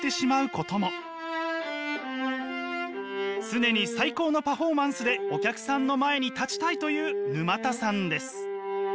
常に最高のパフォーマンスでお客さんの前に立ちたいという沼田さんです。